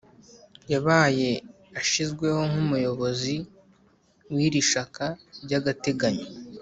Yabaye ashizweho nkumuyobozi wiri shaka byagateganyo